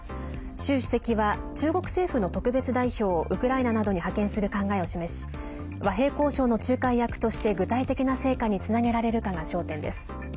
習主席は中国政府の特別代表をウクライナなどに派遣する考えを示し和平交渉の仲介役として具体的な成果につなげられるかが焦点です。